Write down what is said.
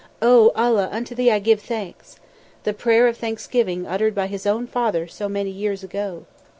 Oh, Allah, unto thee I give thanks!" the prayer of thanksgiving uttered by his own father so many years ago.